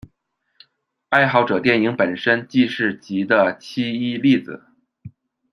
爱好者电影本身即是及的其一例子。